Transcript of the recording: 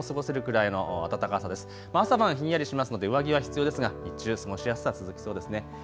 朝晩ひんやりしますので上着は必要ですが日中、過ごしやすさ続きそうですね。